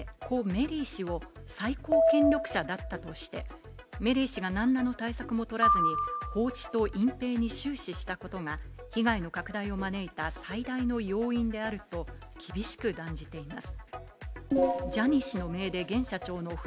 調査報告書では、ジャニー氏の姉・故メリー氏を最高権力者としてメリー氏が何ら対策も取らずに放置と隠蔽に注視したことが、被害の拡大を招いた最大の要因であると厳しく断じています。